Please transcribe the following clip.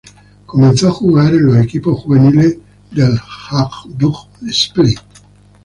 Comenzó a jugar en los equipos juveniles del Hajduk Split.